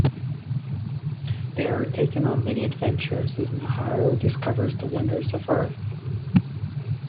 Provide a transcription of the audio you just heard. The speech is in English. They are taken on many adventures as Miharu discovers the wonders of Earth.